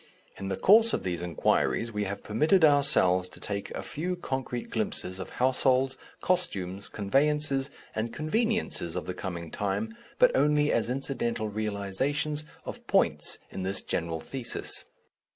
In the course of these inquiries, we have permitted ourselves to take a few concrete glimpses of households, costumes, conveyances, and conveniences of the coming time, but only as incidental realizations of points in this general thesis.